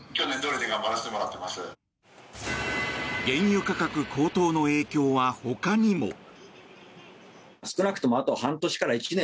原油価格高騰の影響はほかにも。